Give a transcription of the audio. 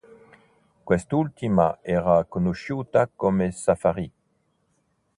Quest'ultima era conosciuta come Safari.